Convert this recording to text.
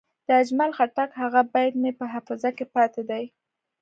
د اجمل خټک هغه بیت مې په حافظه کې پاتې دی.